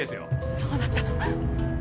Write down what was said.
どうなったの？